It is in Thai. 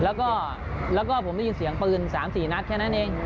แล้วก็แล้วก็ผมได้ยินเสียงปืนสามสี่นัดแค่นั้นเอง